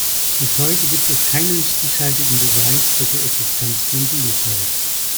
Bis heute gibt es keinen stichhaltigen Beweis für die Existenz von Bielefeld.